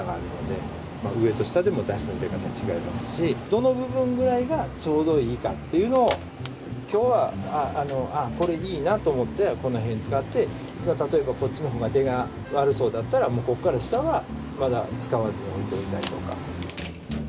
どの部分ぐらいがちょうどいいかっていうのを今日はこれいいなと思ってこの辺使って例えばこっちの方が出が悪そうだったらここから下はまだ使わずに置いといたりとか。